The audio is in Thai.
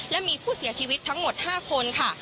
และมีผู้เสียชีวิตทั้งหมด๕คนค่ะ